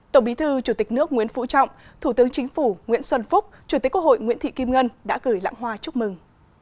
tổng bí thư chủ tịch nước nguyễn phú trọng thủ tướng chính phủ nguyễn xuân phúc chủ tịch quốc hội nguyễn thị kim ngân đã gửi lãng hoa chúc mừng